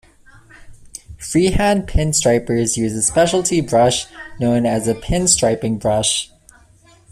Freehand pin stripers use a specialty brush known as a pinstriping brush.